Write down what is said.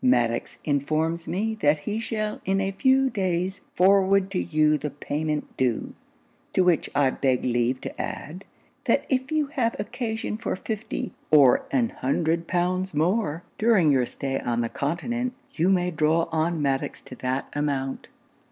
'Maddox informs me that he shall in a few days forward to you the payment due: to which I beg leave to add, that if you have occasion for fifty or an hundred pounds more, during your stay on the continent, you may draw on Maddox to that amount.